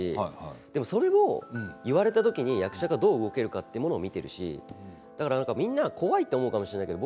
言われた時に役者がどう動けるかということを見ているしみんな怖いと思うかもしれないけど